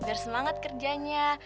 biar semangat kerjanya